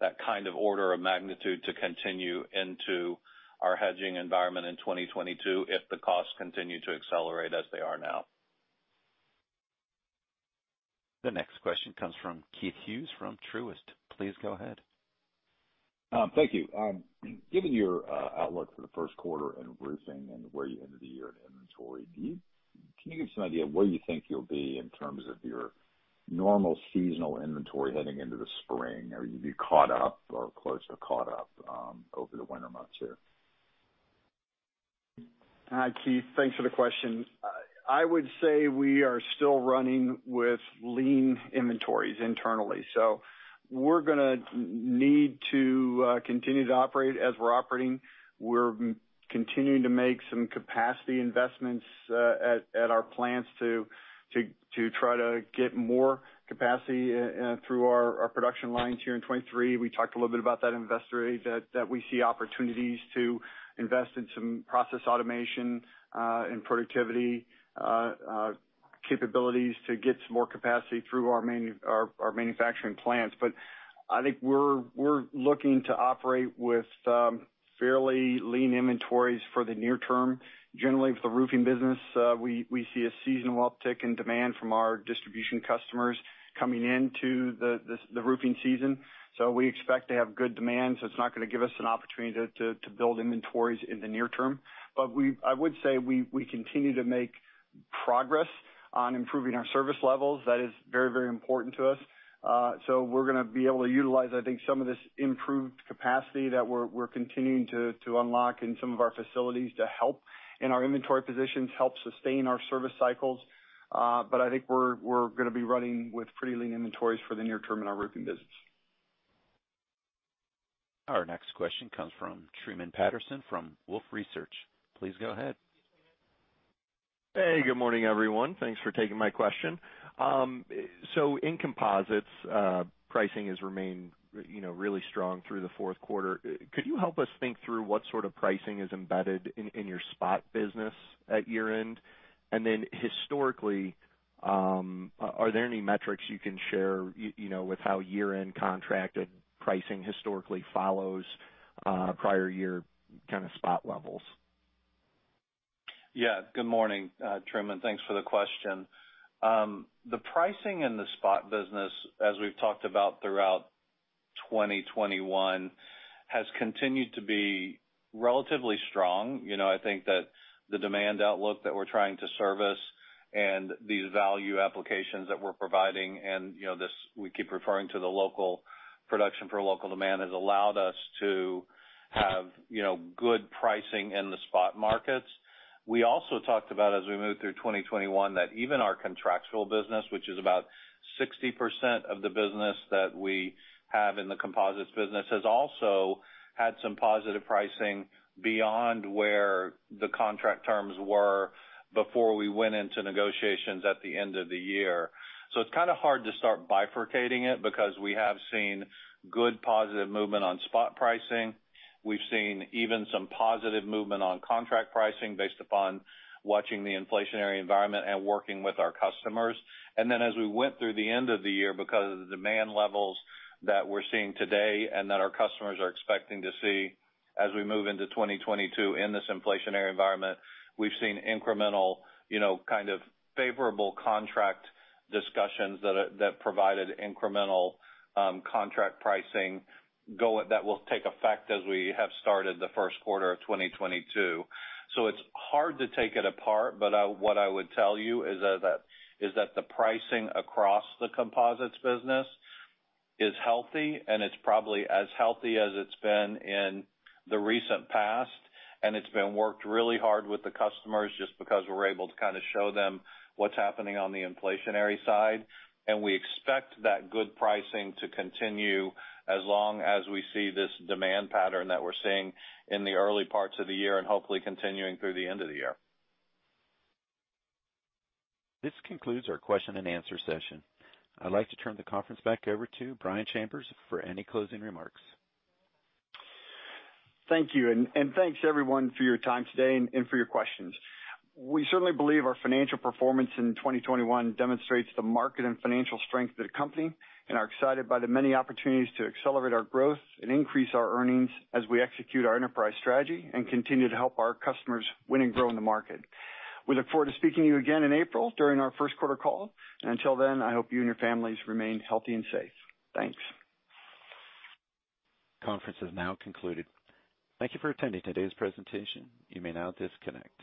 that kind of order of magnitude to continue into our hedging environment in 2022 if the costs continue to accelerate as they are now. The next question comes from Keith Hughes from Truist. Please go ahead. Thank you. Given your outlook for the first quarter in roofing and where you ended the year in inventory, can you give some idea of where you think you'll be in terms of your normal seasonal inventory heading into the spring? Are you gonna be caught up or close to caught up over the winter months here? Keith, thanks for the question. I would say we are still running with lean inventories internally. We're gonna need to continue to operate as we're operating. We're continuing to make some capacity investments at our plants to try to get more capacity through our production lines here in 2023. We talked a little bit about that at Investor Day, that we see opportunities to invest in some process automation and productivity capabilities to get some more capacity through our manufacturing plants. I think we're looking to operate with fairly lean inventories for the near term. Generally, for the roofing business, we see a seasonal uptick in demand from our distribution customers coming into the roofing season, so we expect to have good demand, so it's not gonna give us an opportunity to build inventories in the near term. I would say we continue to make progress on improving our service levels. That is very, very important to us. We're gonna be able to utilize, I think, some of this improved capacity that we're continuing to unlock in some of our facilities to help, and our inventory positions help sustain our service cycles. I think we're gonna be running with pretty lean inventories for the near term in our roofing business. Our next question comes from Truman Patterson from Wolfe Research. Please go ahead. Hey, good morning, everyone. Thanks for taking my question. In composites, pricing has remained, you know, really strong through the fourth quarter. Could you help us think through what sort of pricing is embedded in your spot business at year-end? Historically, are there any metrics you can share, you know, with how year-end contracted pricing historically follows prior year kinda spot levels? Yeah. Good morning, Truman. Thanks for the question. The pricing in the spot business, as we've talked about throughout 2021, has continued to be relatively strong. You know, I think that the demand outlook that we're trying to service and the value applications that we're providing and, you know, this, we keep referring to the local production for local demand, has allowed us to have, you know, good pricing in the spot markets. We also talked about as we moved through 2021, that even our contractual business, which is about 60% of the business that we have in the composites business, has also had some positive pricing beyond where the contract terms were before we went into negotiations at the end of the year. It's kinda hard to start bifurcating it, because we have seen good, positive movement on spot pricing. We've seen even some positive movement on contract pricing based upon watching the inflationary environment and working with our customers. As we went through the end of the year, because of the demand levels that we're seeing today and that our customers are expecting to see as we move into 2022 in this inflationary environment, we've seen incremental, you know, kind of favorable contract discussions that provided incremental, contract pricing that will take effect as we have started the first quarter of 2022. It's hard to take it apart, but what I would tell you is that the pricing across the composites business is healthy, and it's probably as healthy as it's been in the recent past, and it's been worked really hard with the customers just because we're able to kinda show them what's happening on the inflationary side. We expect that good pricing to continue as long as we see this demand pattern that we're seeing in the early parts of the year, and hopefully continuing through the end of the year. This concludes our question and answer session. I'd like to turn the conference back over to Brian Chambers for any closing remarks. Thank you, and thanks, everyone, for your time today and for your questions. We certainly believe our financial performance in 2021 demonstrates the market and financial strength of the company and are excited by the many opportunities to accelerate our growth and increase our earnings as we execute our enterprise strategy and continue to help our customers win and grow in the market. We look forward to speaking to you again in April during our first quarter call. Until then, I hope you and your families remain healthy and safe. Thanks. Conference is now concluded. Thank you for attending today's presentation. You may now disconnect.